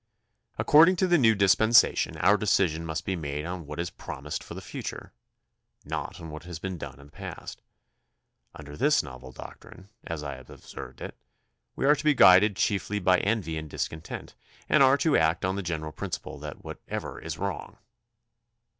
According to the new dispensation our decision must be made on what is promised for the future, not on what has been done in the past. Under this novel doctrine, as I have observed it, we are to be guided chiefly by envy and discontent and are to act on the general principle that whatever is is wrong.